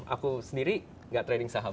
aku sendiri gak trading saham